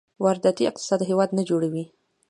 وارداتي اقتصاد هېواد نه جوړوي.